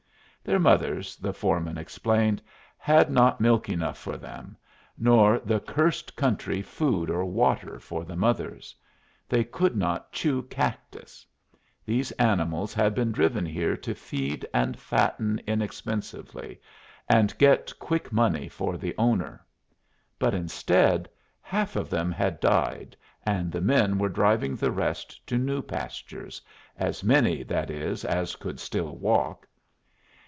Their mothers, the foreman explained, had not milk enough for them, nor the cursed country food or water for the mothers. They could not chew cactus. These animals had been driven here to feed and fatten inexpensively, and get quick money for the owner. But, instead, half of them had died, and the men were driving the rest to new pastures as many, that is, as could still walk.